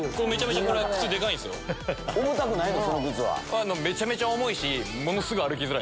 めちゃめちゃ重いし。